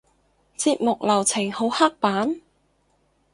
節目流程好刻板？